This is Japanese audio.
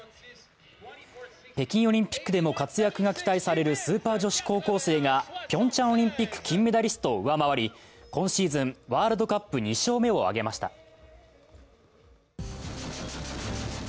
北京オリンピックでも活躍が期待されるスーパー女子高校生がピョンチャンオリンピック金メダリストを上回り今シーズン、ワールドカップ２勝目を挙げました。